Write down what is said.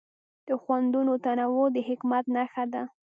د خوندونو تنوع د حکمت نښه ده.